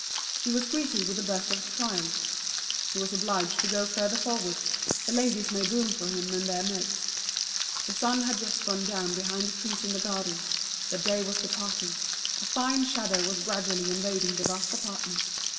He was greeted with a burst of triumph. He was obliged to go further forward; the ladies made room for him in their midst. The sun had just gone down behind the trees in the gardens, the day was departing, a fine shadow was gradually invading the vast apartment.